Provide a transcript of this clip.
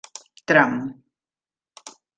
Tram: